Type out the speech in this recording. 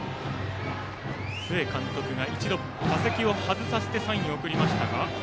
須江監督は一度、打席を外させてサインを送りました。